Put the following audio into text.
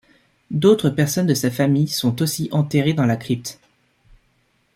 D'autres personnes de sa famille son aussi enterré dans la crypte.